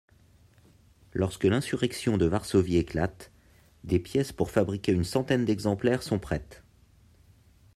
Lorsque l'insurrection de Varsovie éclate, des pièces pour fabriquer une centaine d'exemplaires sont prêtes.